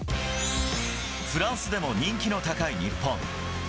フランスでも人気の高い日本。